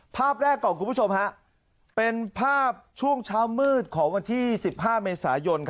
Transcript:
ภาพแรกก่อนคุณผู้ชมเป็นภาพช่วงเช้ามืดของวันที่๑๕เมษายน